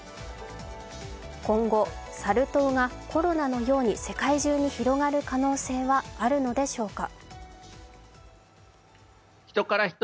今後、サル痘がコロナのように世界中に広がる可能性はあるのでしょうか。